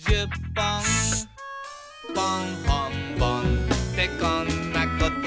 「ぽんほんぼんってこんなこと」